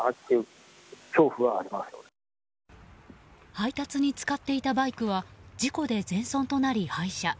配達に使っていたバイクは事故で全損となり、廃車。